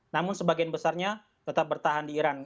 namun sebagian besarnya tetap bertahan di iran